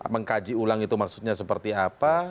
mengkaji ulang itu maksudnya seperti apa